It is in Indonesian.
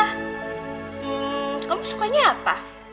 hmm kamu sukanya apa